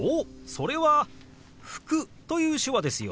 それは「服」という手話ですよ。